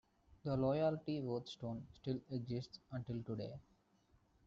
The loyalty oath stone still exists until today.